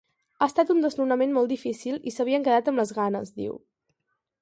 Ha estat un desnonament molt difícil i s’havien quedat amb les ganes, diu.